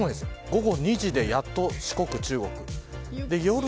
午後２時で、やっと四国、中国。